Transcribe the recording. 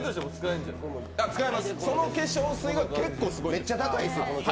その化粧水が結構すごいんです。